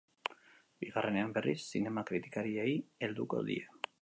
Bigarrenean, berriz, zinema kritikariei helduko die.